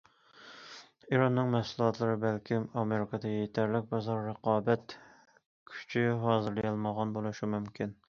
ئىراننىڭ مەھسۇلاتلىرى بەلكىم ئامېرىكىدا يېتەرلىك بازار رىقابەت كۈچى ھازىرلىيالمىغان بولۇشى مۇمكىن.